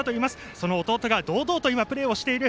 その弟が堂々とプレーしている。